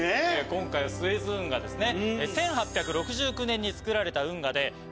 今回はスエズ運河ですね。